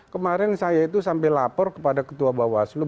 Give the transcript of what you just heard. kemarin saya itu sampai lapor kepada ketua bawaslu